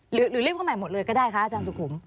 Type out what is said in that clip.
หรือเรียกว่าใหม่หมดเลยก็ได้คะอาจารย์สุขุม